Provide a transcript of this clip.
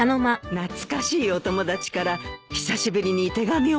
懐かしいお友達から久しぶりに手紙をもらってね。